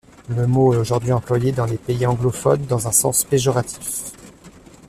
Le mot est aujourd'hui employé dans les pays anglophones dans un sens péjoratif.